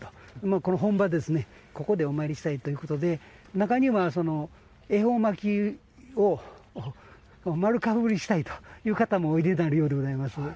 この本場ここでお参りしたいということで中には、恵方巻きを丸かぶりしたいという方もおいでになるようです。